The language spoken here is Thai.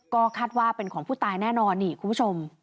ก็คาดว่าเป็นของผู้ตายแน่นอนนี่คุณผู้ชม